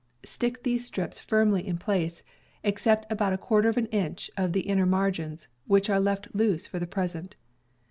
Stick these strips firmly in place, except about a quarter of an inch of the inner margins, which are left loose for the present.